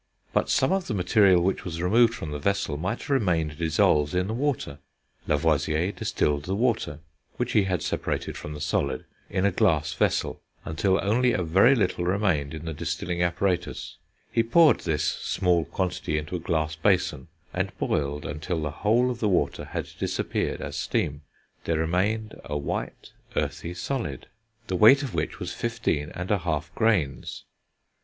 But some of the material which was removed from the vessel might have remained dissolved in the water: Lavoisier distilled the water, which he had separated from the solid, in a glass vessel, until only a very little remained in the distilling apparatus; he poured this small quantity into a glass basin, and boiled until the whole of the water had disappeared as steam. There remained a white, earthy solid, the weight of which was 15 1/2 grains.